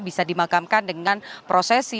bisa dimakamkan dengan prosesi